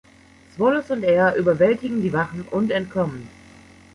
Swallows und er überwältigen die Wachen und entkommen.